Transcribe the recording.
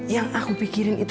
yang aku pikirin itu